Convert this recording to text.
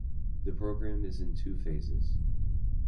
The program is in two phases.